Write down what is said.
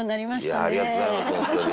いやあありがとうございますホントに。